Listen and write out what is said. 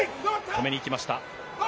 止めにいきました。